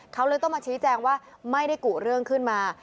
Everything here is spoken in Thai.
เขาเลยต้องมาชี้แจงว่าไม่ได้กุเรื่องขึ้นมา